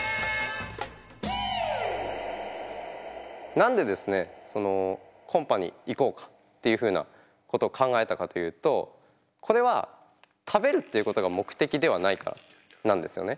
何でですねコンパに行こうかっていうふうなことを考えたかというとこれは食べるっていうことが目的ではないからなんですよね。